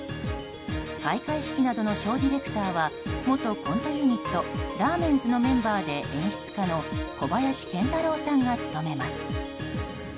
開会式などのショーディレクターは元コントユニットラーメンズのメンバーで演出家の小林賢太郎さんが務めます。